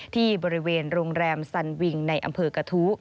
ที่บริเวณโรงแรมสันวิงในอำเภอกระทู้